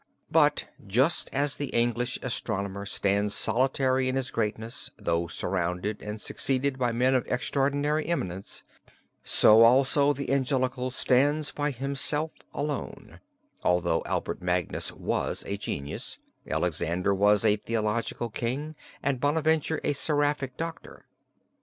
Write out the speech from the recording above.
But just as the English astronomer stands solitary in his greatness, though surrounded and succeeded by men of extraordinary eminence, so also the Angelical stands by himself alone, although Albertus Magnus was a genius, Alexander was a theological king, and Bonaventure a seraphic doctor.